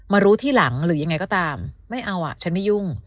รู้ที่หลังหรือยังไงก็ตามไม่เอาอ่ะฉันไม่ยุ่ง